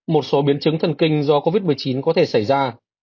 một số biến chứng thần kinh do covid một mươi chín có thể xảy ra